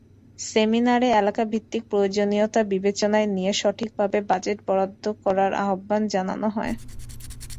সেমিনারে এলাকাভিত্তিক প্রয়োজনীয়তা বিবেচনায় নিয়ে সঠিকভাবে বাজেট বরাদ্দ করার আহ্বান জানানো হয়।